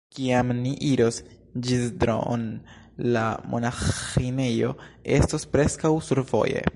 Kiam ni iros Ĵizdro'n, la monaĥinejo estos preskaŭ survoje.